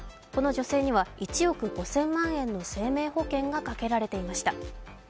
この女性には１億５０００万円の生命保険がかけられていました。